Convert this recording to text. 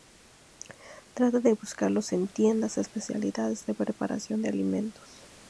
Trata de buscarlos en tiendas especializadas de preparación de alimentos.